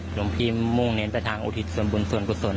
หลวงพี่มุ่งเนินไปทางอุทิศศรบุญสศรคุสล